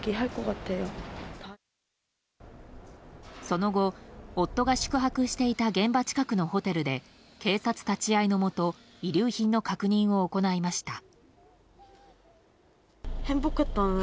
その後、夫が宿泊していた現場近くのホテルで警察立ち会いのもと遺留品の確認を行いました。